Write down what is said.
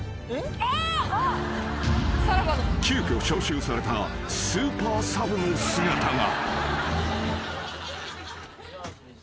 ［急きょ招集されたスーパーサブの姿が］